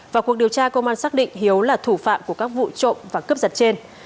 vào cuộc điều tra công an xác định hiếu là thủ phạm của các vụ trộm và cướp giật trên